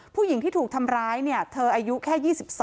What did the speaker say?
ผู้หญิงที่ถูกทำร้ายเนี่ยเธออายุแค่๒๓